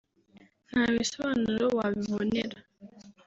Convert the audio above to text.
ntabisobanuro wabibonera